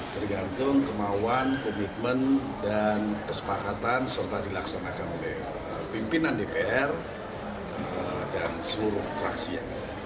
tergantung kemauan komitmen dan kesepakatan serta dilaksanakan oleh pimpinan dpr dan seluruh fraksi